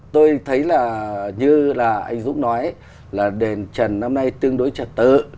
tôi thấy như anh dũng nói đền trần năm nay tương đối trật tự